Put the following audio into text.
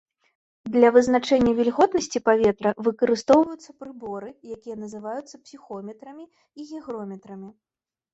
Для вызначэння вільготнасці паветра выкарыстоўваюцца прыборы, якія называюцца псіхрометрамі і гігрометрамі.